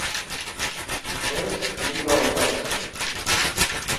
Xes biga okaçun.